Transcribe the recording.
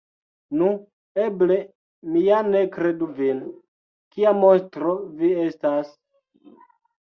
Nu, eble mi ja ne kredu vin! Kia monstro vi estas!